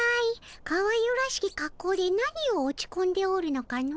かわゆらしきかっこうで何を落ちこんでおるのかの？